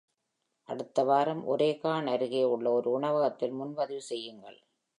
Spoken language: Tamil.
அடுத்த வாரம் ஒரேகான் அருகே உள்ள ஒரு உணவகத்தில் முன்பதிவு செய்யுங்கள்